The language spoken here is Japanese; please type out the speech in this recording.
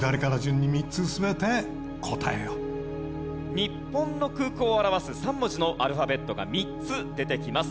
日本の空港を表す３文字のアルファベットが３つ出てきます。